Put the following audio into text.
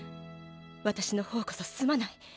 私のほうこそすまない。